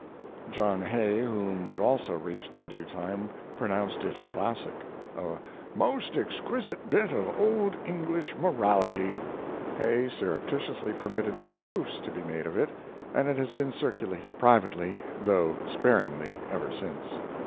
John Hay, whom it also reached in due time, pronounce it a classic a "most exquisite bit of old English morality." Hay surreptitiously permitted some proofs to be made of it, and it has been circulated privately, though sparingly, ever since.